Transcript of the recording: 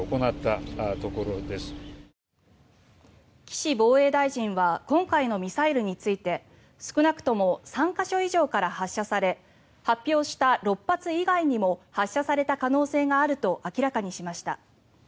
岸防衛大臣は今回のミサイルについて少なくとも３か所以上から発射され発表した６発以外にも発射された可能性があると明らかにしました。